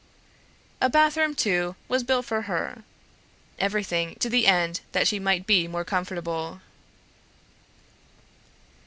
A bathroom, too, was built for her, everything to the end that she might be more comfortable.